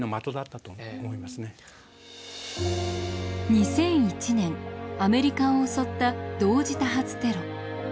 ２００１年アメリカを襲った同時多発テロ。